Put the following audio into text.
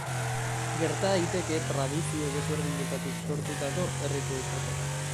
Gerta daiteke tradizio desberdinetatik sortutako erritua izatea.